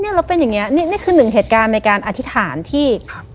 เนี่ยเราเป็นอย่างเงี้ยเนี่ยคือหนึ่งเหตุการณ์ในการอธิษฐานที่